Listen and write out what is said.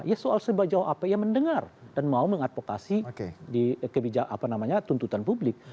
ya soal sebajau apa ya mendengar dan mau mengadvokasi di kebijakan apa namanya tuntutan publik